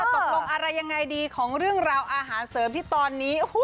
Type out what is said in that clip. ตกลงอะไรยังไงดีของเรื่องราวอาหารเสริมที่ตอนนี้